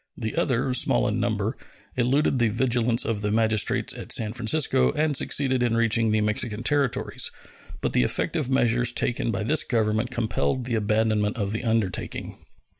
The other, small in number, eluded the vigilance of the magistrates at San Francisco and succeeded in reaching the Mexican territories; but the effective measures taken by this Government compelled the abandonment of the undertaking.